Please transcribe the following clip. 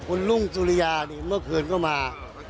คุณรุ่งสุริยานี่เมื่อคืนก็มา